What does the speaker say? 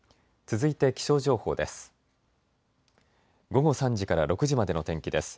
続いて気象情報です。